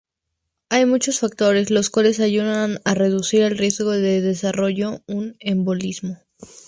Hay muchos factores los cuales ayudan a reducir el riesgo de desarrollar un embolismo.